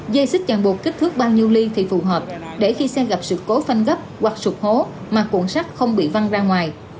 dây xích chẳng bột kích thước bao nhiêu ly thì phù hợp để khi xem gặp sự cố phanh gấp hoặc sụp hố mà cuộn sắt không bị văng ra ngoài